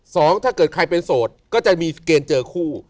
ถ้าเกิดใครเป็นโสดก็จะมีเกณฑ์เจอคู่